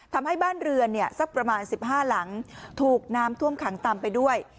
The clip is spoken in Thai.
ทำให้บ้านเรือนสักประมาณ๑๕หลังถูกน้ำท่วมขังตามไปด้วย